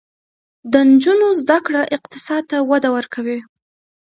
د نجونو زده کړه اقتصاد ته وده ورکوي.